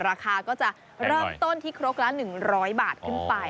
ราคาก็จะเริ่มต้นที่ครกละ๑๐๐บาทขึ้นไป